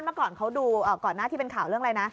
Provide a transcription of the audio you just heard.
เมื่อก่อนเขาดูก่อนหน้าที่เป็นข่าวเรื่องอะไรนะ